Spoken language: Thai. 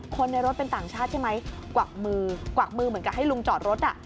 คนในรถเป็นต่างชาติใช่ไหมกวักมือกวักมือเหมือนกับให้ลุงจอดรถอ่ะ